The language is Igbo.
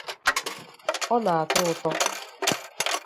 ọ ná-atọ ụtọ